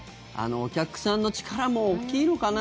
お客さんの力も大きいのかな。